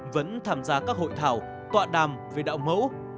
vẫn tham gia các hội thảo tọa đàm về đạo mẫu